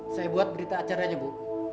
saya buat berita acaranya bu